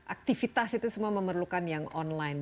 aktivitas itu semua memerlukan yang online